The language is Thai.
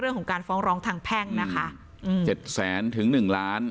เรื่องของการฟ้องร้องทางแพ่งนะคะอืมเจ็ดแสนถึงหนึ่งล้าน